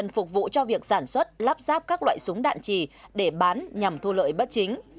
phục vụ cho việc sản xuất lắp ráp các loại súng đạn trì để bán nhằm thu lợi bất chính